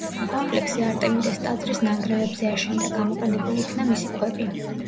კომპლექსი არტემიდეს ტაძრის ნანგრევებზე აშენდა, გამოყენებული იქნა მისი ქვები.